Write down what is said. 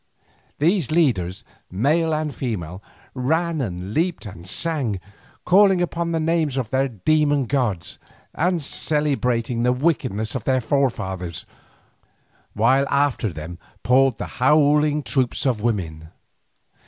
These leaders, male and female, ran and leaped and sang, calling upon the names of their demon gods, and celebrating the wickednesses of their forefathers, while after them poured the howling troops of women.